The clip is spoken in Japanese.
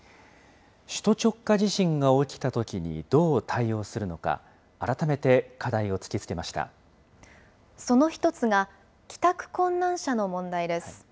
首都直下地震が起きたときにどう対応するのか、その一つが、帰宅困難者の問題です。